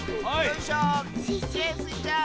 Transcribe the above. いけスイちゃん！